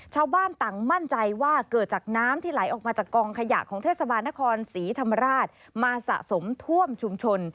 ชาวบ้านต่างมั่นใจว่าเกิดจากน้ำที่ไหลออกมาจากกองขยะของเทศบาลนครศรีธรรมราชมาสะสมท่วมชุมชน